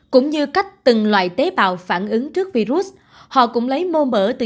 cũng như cách từng loại tế bào phản ứng trước virus họ cũng lấy mô mở từ